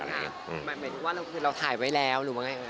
หมายถึงว่าเราถ่ายไว้แล้วหรือยังไร